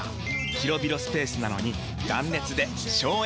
広々スペースなのに断熱で省エネ！